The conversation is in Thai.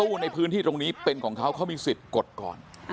ในพื้นที่ตรงนี้เป็นของเขาเขามีสิทธิ์กดก่อน